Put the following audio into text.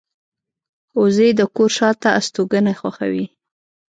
وزې د کور شاته استوګنه خوښوي